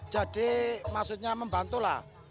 jadi maksudnya membantulah